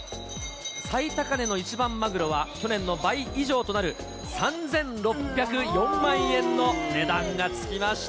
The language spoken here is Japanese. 最高値の一番マグロは、去年の倍以上となる３６０４万円の値段がつきました。